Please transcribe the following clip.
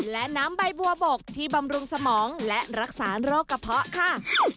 และน้ำใบบัวบกที่บำรุงสมองและรักษาโรคกระเพาะค่ะ